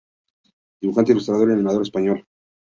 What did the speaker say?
Dibujante, ilustrador y animador español.